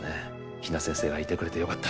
比奈先生がいてくれてよかった！